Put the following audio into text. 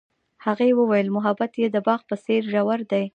هغې وویل محبت یې د باغ په څېر ژور دی.